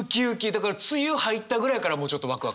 だから梅雨入ったぐらいからもうちょっとワクワク。